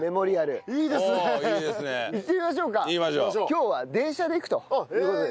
今日は電車で行くという事です。